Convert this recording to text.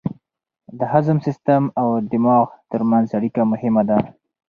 د هضم سیستم او دماغ ترمنځ اړیکه مهمه ده.